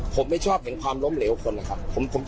ผมไม่ชอบเห็นความล้มเหลวคนนะครับ